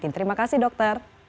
terima kasih dokter